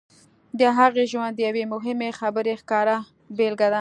د هغې ژوند د یوې مهمې خبرې ښکاره بېلګه ده